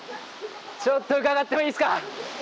ちょっと伺ってもいいですか？